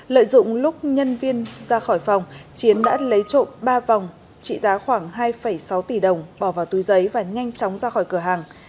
lợi dụng lúc nhân viên ra khỏi phòng chiến đã lấy trộm ba vòng trị giá khoảng hai sáu tỷ đồng bỏ vào túi giấy và nhanh chóng ra khỏi cửa hàng